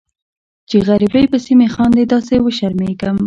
چې غریبۍ پسې مې خاندي داسې وشرمیږم